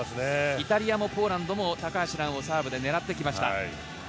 イタリアもポーランドも高橋藍をサーブで狙っていきました。